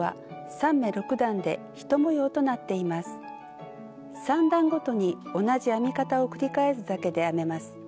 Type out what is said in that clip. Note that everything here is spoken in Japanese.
３段ごとに同じ編み方を繰り返すだけで編めます。